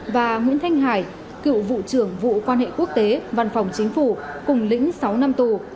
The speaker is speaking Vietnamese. và nguyễn thanh hải cựu vụ trưởng vụ quan hệ quốc tế văn phòng chính phủ cùng lĩnh sáu năm tù